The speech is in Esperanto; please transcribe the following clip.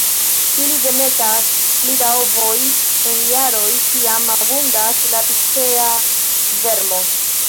Ili demetas pli da ovoj en jaroj kiam abundas la Picea vermo.